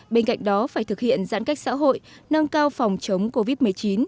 bên cạnh đó phải thực hiện giãn cách xã hội nâng cao phòng chống covid một mươi chín